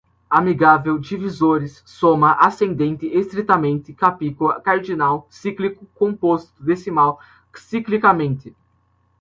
amigável, divisores, soma, ascendente, estritamente, capicua, cardinal, cíclico, composto, decimal, ciclicamente